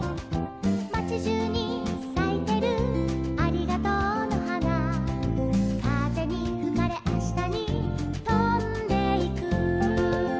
「まちじゅうにさいてるありがとうの花」「かぜにふかれあしたにとんでいく」